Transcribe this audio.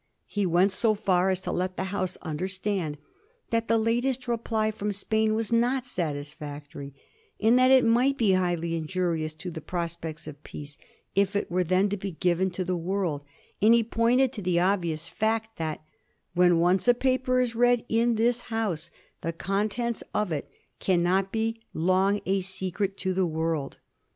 He went so far as to let the House understand that the latest reply from Spain was not satisfactory, and that it might be highly injurious to the prospects of peace if it were then to be given to the world ; and he pointed to the obvious fact that 'Svhen once a paper is read in this House the contents of it cannot be long a secret to the world."